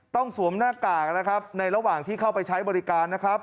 สวมหน้ากากนะครับในระหว่างที่เข้าไปใช้บริการนะครับ